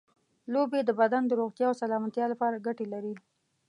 لوبې د بدن د روغتیا او سلامتیا لپاره ګټې لري.